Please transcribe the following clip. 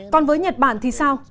còn với nhật bản thì sao